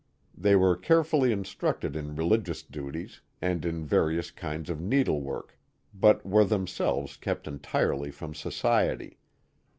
They were carefully instructed in religious duties, and in various kinds of needlework, but were themselves kept entirely from society.